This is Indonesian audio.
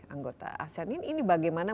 anggota asean ini bagaimana